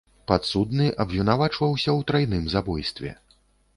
Падсудны абвінавачваўся ў трайным забойстве.